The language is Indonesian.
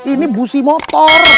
ini busi motor